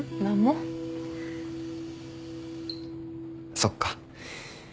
そっか。